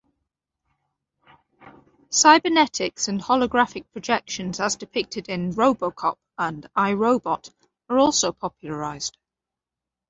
Cybernetics and holographic projections as depicted in "RoboCop" and "I, Robot" are also popularized.